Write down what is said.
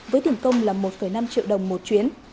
với tiền công là một năm triệu đồng một chuyến